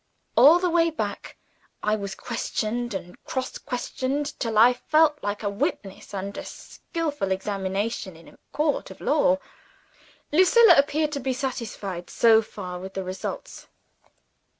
All the way back, I was questioned and cross questioned till I felt like a witness under skillful examination in a court of law. Lucilla appeared to be satisfied, so far, with the results.